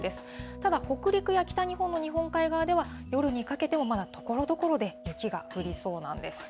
ただ北陸や北日本の日本海側では、夜にかけてもまだところどころで雪が降りそうなんです。